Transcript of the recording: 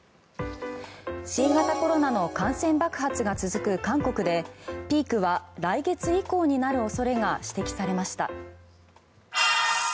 新型コロナの感染爆発が続く韓国でピークは来月以降になる恐れが指摘されました。